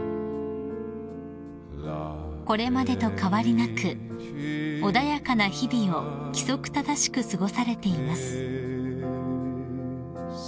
［これまでと変わりなく穏やかな日々を規則正しく過ごされています］